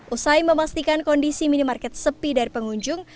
usai memastikan kondisi minimarket sepi dari pengunjung